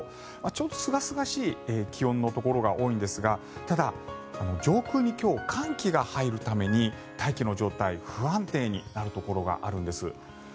ちょうどすがすがしい気温のところが多いんですがただ、上空に今日、寒気が入るために大気の状態が不安定になるところがあるんです。